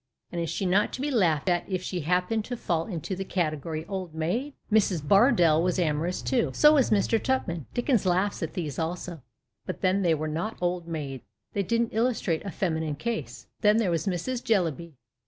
And is she not to be laughed at if she happen to fall into the category " old maid ""? Mrs. Bardell was amorous too. So was Mr. Tupman. Dickens laughs at these also — but then they were not old maids, they didn't illustrate a " feminine case." Then there was Mrs. Jellyby.